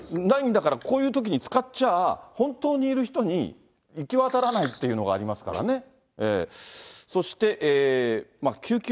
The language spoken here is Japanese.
ないんだからこういうときに使っちゃあ、本当に要る人に行き渡らないっていうのがありますからね。